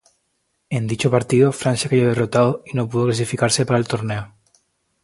En dicho partido, Francia cayó derrotada y no pudo clasificarse para el torneo.